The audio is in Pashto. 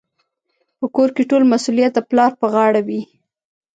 په کور کي ټول مسوليت د پلار پر غاړه وي.